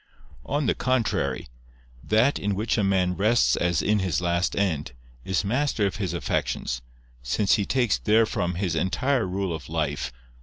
On the contrary, That in which a man rests as in his last end, is master of his affections, since he takes therefrom his entire rule of life.